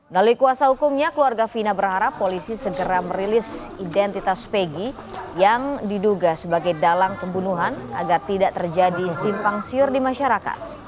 melalui kuasa hukumnya keluarga fina berharap polisi segera merilis identitas pegi yang diduga sebagai dalang pembunuhan agar tidak terjadi simpang siur di masyarakat